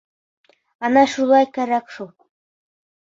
— Ана шулай кәрәк шул!